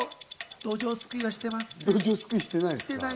どじょうすくいはしていません。